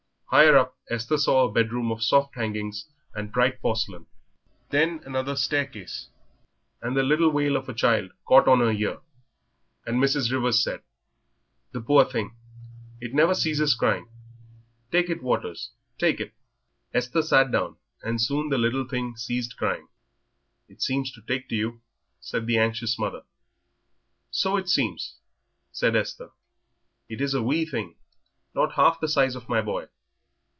Higher up, Esther saw a bedroom of soft hangings and bright porcelain. Then another staircase, and the little wail of a child caught on the ear, and Mrs. Rivers said, "The poor little thing; it never ceases crying. Take it, Waters, take it." Esther sat down, and soon the little thing ceased crying. "It seems to take to you," said the anxious mother. "So it seems," said Esther; "it is a wee thing, not half the size of my boy."